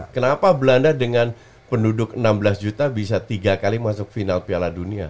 kenapa belanda dengan penduduk enam belas juta bisa tiga kali masuk final piala dunia